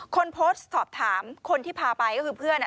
คนโพสต์สอบถามคนที่พาไปก็คือเพื่อน